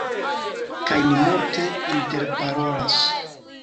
Kaj ni multe interparolas